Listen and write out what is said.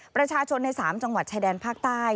ประชาชนใน๓จังหวัดชายแดนภาคใต้